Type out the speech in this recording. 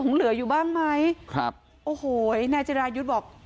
เหลืออยู่บ้างไหมครับโอ้โหนายจิรายุทธ์บอก